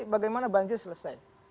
bagaimana banjir selesai